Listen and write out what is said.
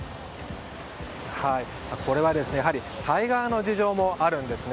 これはタイ側の事情もあるんですね。